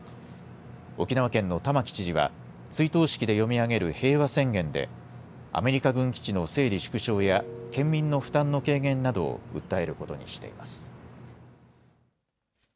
沖縄県の玉城知事は追悼式で読み上げる平和宣言でアメリカ軍基地の整理・縮小や県民の負担の軽減などを訴えることにしています。